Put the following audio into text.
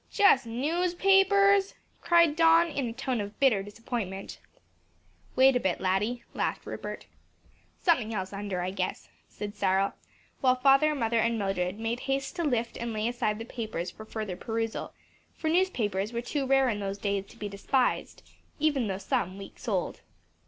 "Just newspapers!" cried Don, in a tone of bitter disappointment. "Wait a bit, laddie," laughed Rupert. "Something else under, I guess," said Cyril, while father, mother and Mildred made haste to lift and lay aside the papers for further perusal, for newspapers were too rare in those days to be despised, even though some weeks old.